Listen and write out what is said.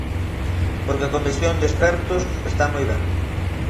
Porque a comisión de expertos está moi ben.